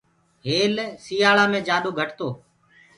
هيل سٚيآݪيآ مي سي گھٽ تو۔